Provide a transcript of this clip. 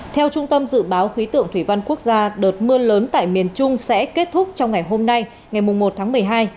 theo trung tâm dự báo khí tượng thủy văn quốc gia đợt mưa lớn tại miền trung sẽ kết thúc trong ngày hôm nay ngày một tháng một mươi hai